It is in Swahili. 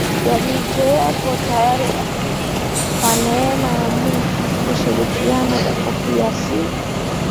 yaliyokuwepo tayari Afrika Kwa neema ya Mungu ushirikiano upo pia si